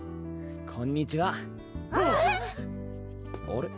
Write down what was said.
こんにちはあれ？